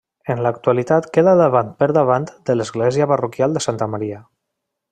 En l'actualitat queda davant per davant de l'església parroquial de Santa Maria.